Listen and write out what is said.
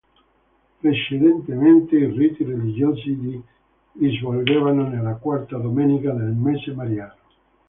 Precedentemente i riti religiosi di svolgevano nella quarta domenica del mese mariano.